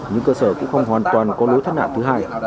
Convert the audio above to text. nhưng cơ sở cũng không hoàn toàn có lối thắt nạn thứ hai